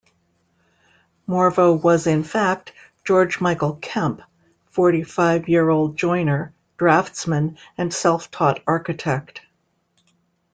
Morvo was in fact George Meikle Kemp, forty-five-year-old joiner, draftsman, and self-taught architect.